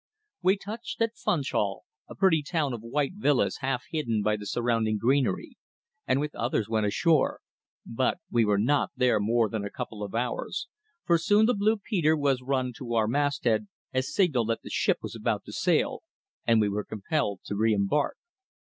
We touched at Funchal, a pretty town of white villas half hidden by the surrounding greenery, and with others went ashore, but we were not there more than a couple of hours, for soon the Blue Peter was run to our masthead as signal that the ship was about to sail, and we were compelled to re embark.